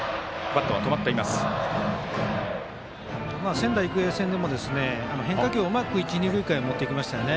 仙台育英戦でも変化球をうまく一、二塁間に持っていきましたよね。